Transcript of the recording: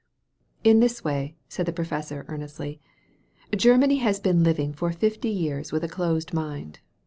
''In this way," said the professor earnestly. Germany has been living for fifty years with a closed mind.